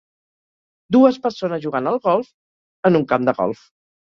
Dues persones jugant al golf en un camp de golf.